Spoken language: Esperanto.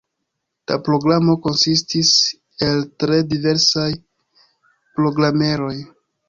La programo konsistis el tre diversaj programeroj.